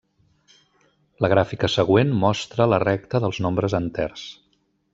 La gràfica següent mostra la recta dels nombres enters.